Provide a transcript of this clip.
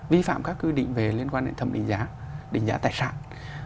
vi phạm các quy định về liên quan đến thẩm định giá định giá tài sản